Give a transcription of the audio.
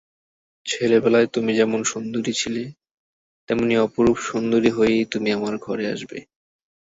ছেলেবেলায় তুমি যেমন সুন্দরী ছিলে তেমনি অপরূপ সুন্দরী হয়েই তুমি আমার ঘরে আসবে।